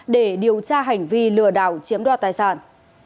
để điều tra hành vi lừa đảo chiếm đoạt tài sản